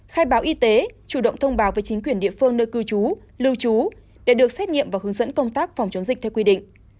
khai báo y tế chủ động thông báo với chính quyền địa phương nơi cư trú lưu trú để được xét nghiệm và hướng dẫn công tác phòng chống dịch theo quy định